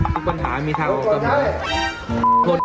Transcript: ทุกปัญหามีทางออกกำลัง